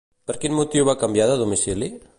Per quin motiu va canviar de domicili?